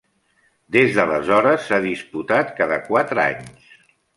Des d'aleshores s'ha disputat cada quatre anys.